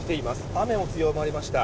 雨も強まりました。